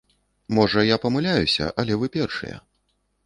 Можа, я памыляюся, але вы першыя.